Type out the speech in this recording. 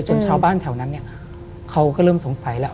ชาวบ้านแถวนั้นเนี่ยเขาก็เริ่มสงสัยแล้ว